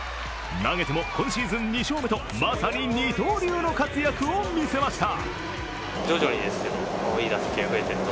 投げても今シーズン２勝目とまさに二刀流の活躍を見せました。